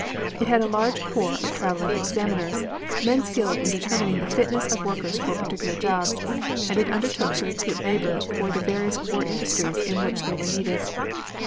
It had a large corps of traveling examiners, men skilled in determining the fitness of workers for particular jobs, and it undertook to recruit labor for the various war industries in which they were needed.